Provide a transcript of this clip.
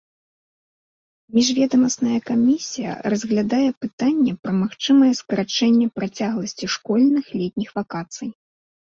Міжведамасная камісія разглядае пытанне пра магчымае скарачэнне працягласці школьных летніх вакацый.